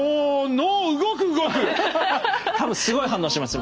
多分すごい反応してます